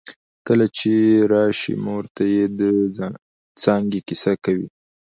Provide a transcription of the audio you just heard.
کله چې راشې مور ته يې د څانګې کیسه کوي